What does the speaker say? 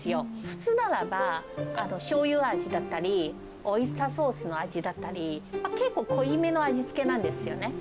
普通ならばしょうゆ味だったり、オイスターソースの味だったり、結構濃いめの味付けなんですよね。